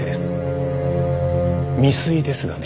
未遂ですがね。